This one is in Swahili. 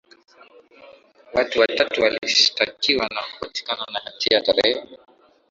Watu watatu walishitakiwa na kupatikana na hatia tarehe